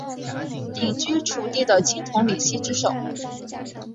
鼎居楚地的青铜礼器之首。